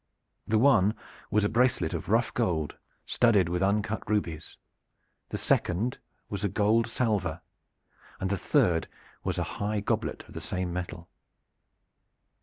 The one was a bracelet of rough gold studded with uncut rubies, the second was a gold salver, and the third was a high goblet of the same metal.